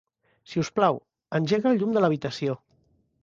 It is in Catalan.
Si us plau, engega el llum de l'habitació.